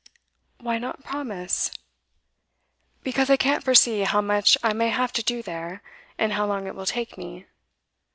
'Why not promise?' 'Because I can't foresee how much I may have to do there, and how long it will take me.